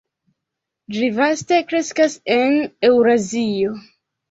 Ĝi vaste kreskas en Eŭrazio.